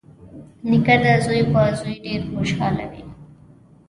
نیکه د زوی په زوی ډېر خوشحال وي.